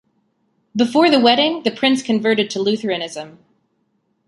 Before the wedding, the Prince converted to Lutheranism.